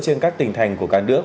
trên các tỉnh thành của cả nước